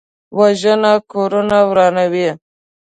وژنه کورونه ورانوي